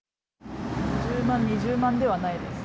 １０万、２０万ではないです。